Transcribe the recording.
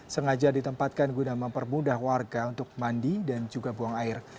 sengaja ditempatkan guna mempermudah warga untuk mandi dan juga buang air